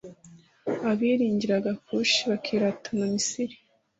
Abiringiraga Kushi bakiratana Misiri,